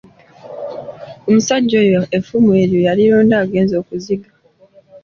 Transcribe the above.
Omusajja oyo effumu eryo yalironda agenze okuziga.